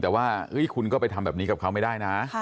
แต่ว่าคุณก็ไปทำแบบนี้กับเขาไม่ได้นะ